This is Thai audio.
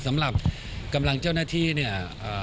สำหรับกำลังเจ้าหน้าที่เนี่ย